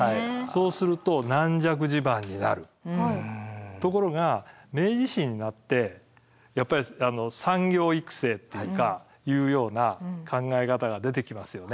そうするとところが明治維新になってやっぱり産業育成っていうかいうような考え方が出てきますよね。